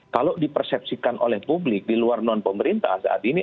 kalau dipersepsikan oleh publik di luar non pemerintah saat ini